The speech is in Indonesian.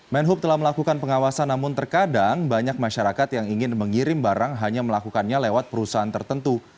menhub telah melakukan pengawasan namun terkadang banyak masyarakat yang ingin mengirim barang hanya melakukannya lewat perusahaan tertentu